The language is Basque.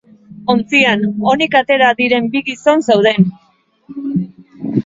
Ontzian onik atera diren bi gizon zeuden.